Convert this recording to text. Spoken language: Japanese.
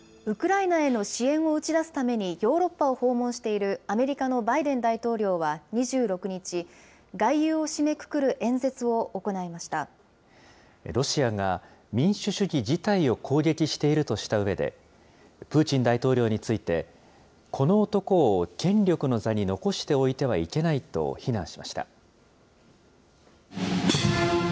ウクライナへの支援を打ち出すためにヨーロッパを訪問している、アメリカのバイデン大統領は２６日、外遊を締めくくる演説を行いロシアが民主主義自体を攻撃しているとしたうえで、プーチン大統領について、この男を権力の座に残しておいてはいけないと非難しました。